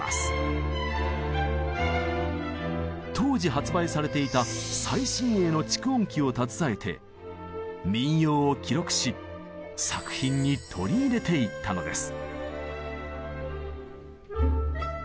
当時発売されていた最新鋭の蓄音機を携えて民謡を記録し作品に取り入れていったのです。